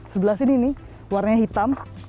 sebelah sini nih warnanya hitam